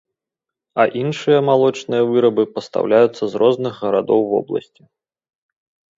А іншыя малочныя вырабы пастаўляюцца з розных гарадоў вобласці.